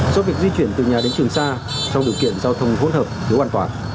do việc di chuyển từ nhà đến trường xa trong điều kiện giao thông hôn hợp thiếu an toàn